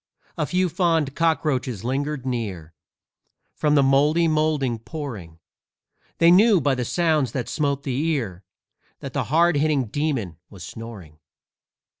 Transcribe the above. A few fond cockroaches lingered near, From the mouldy moulding pouring; They knew, by the sounds that smote the ear, That the hard hitting demon was snoring.